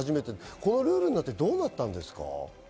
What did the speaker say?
このルールになって、どうなったんですか？